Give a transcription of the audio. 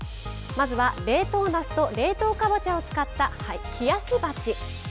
まずは冷凍なすと冷凍かぼちゃを使った冷やし鉢。